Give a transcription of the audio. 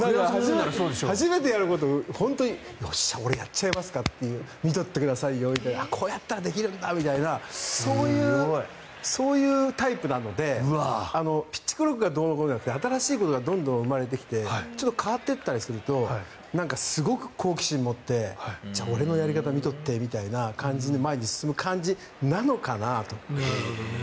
初めてやることをよっしゃ、やっちゃいますか見といてくださいよみたいなこうやったらできるんだみたいなそういうタイプなのでピッチクロックがどうのこうのじゃなくて新しいことがどんどん生まれて変わっていったりするとすごく好奇心を持って俺のやり方を見てというような前に進める感じなのかなと。